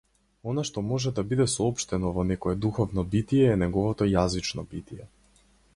Она што може да биде соопштено во некое духовно битие е неговото јазично битие.